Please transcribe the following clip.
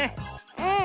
うん。